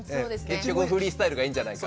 結局フリースタイルがいいんじゃないか。